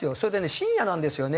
深夜なんですよね。